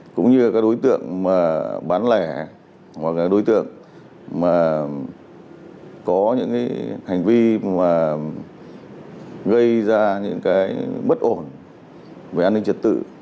cũng như các đối tượng bán lẻ hoặc đối tượng có những hành vi gây ra những bất ổn về an ninh trật tự